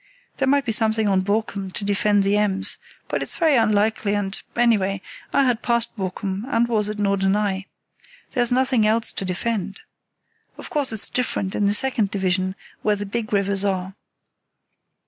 There might be something on Borkum to defend the Ems; but it's very unlikely, and, anyway, I had passed Borkum and was at Norderney. There's nothing else to defend. Of course it's different in the second division, where the big rivers are.